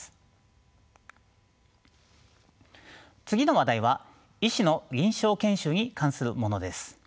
次の話題は医師の臨床研修に関するものです。